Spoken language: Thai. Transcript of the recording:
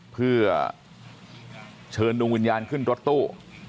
เพื่อเชิญดวงวิญญาณขึ้นรถตู้